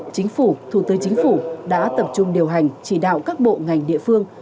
chính phủ thủ tướng chính phủ đã tập trung điều hành chỉ đạo các bộ ngành địa phương